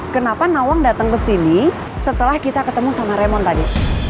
kenapa nawang dateng kesini setelah kita ketemu sama raymond tadi